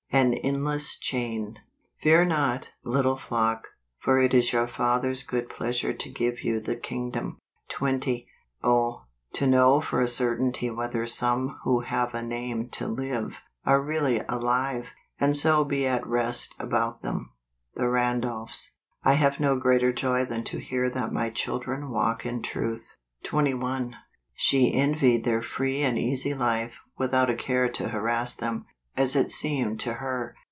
An Endless Chain. " Fear noty little flock; for it is your Father's good pleasure to give you the kingdom ." 20. Oh ! to know for a certainty whether some who have a name to live, are really alive; and so be at rest about them. The Randolphs. " T have no greater joy than to hear that my chil¬ dren walk in truth." MAY. 57 21. She envied their free and easy life, ■without a care to harass them, as it seemed to her.